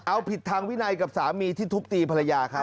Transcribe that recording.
เอาผิดทางวินัยกับสามีที่ทุบตีภรรยาครับ